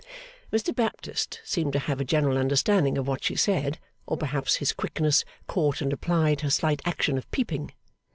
Mr Baptist seemed to have a general understanding of what she said; or perhaps his quickness caught and applied her slight action of peeping.